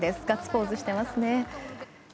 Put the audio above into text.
ガッツポーズしていますね。